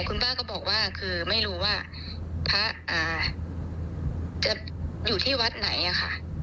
คุณป้าก็บอกว่าคือไม่รู้ว่าพระจะอยู่ที่วัดไหนอะค่ะ